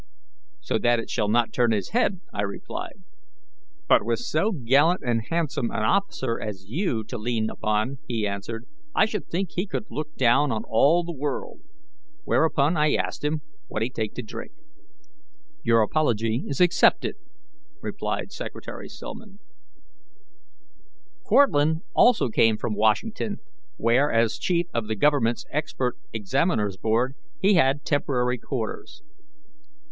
"'So that it shall not turn his head,' I replied. "'But with so gallant and handsome an officer as you to lean upon,' he answered, 'I should think he could look down on all the world.' Whereupon I asked him what he'd take to drink." "Your apology is accepted," replied Secretary Stillman. Cortlandt also came from Washington, where, as chief of the Government's Expert Examiners Board, he had temporary quarters.